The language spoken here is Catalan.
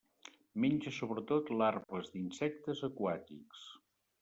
Menja sobretot larves d'insectes aquàtics.